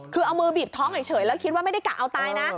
คือเอามือบีบท้องเฉยแล้วคิดว่าไม่ได้กะเอาตายนะ